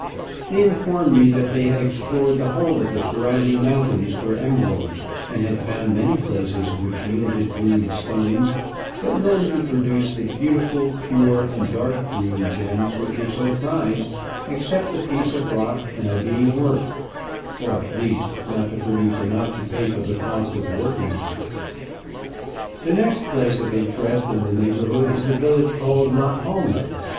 They informed me that they had explored the whole of the surrounding mountains for emeralds, and had found many places which yielded green stones, but none to produce the beautiful pure and dark green gems which are so prized, except Digitized by VjOOQ IC OF AN Orchid Hunter, 155 the piece of rock now being worked, or, at least, not to produce enough to pay for the cost of working. The next place of interest in the neighbourhood is the village called La Palma.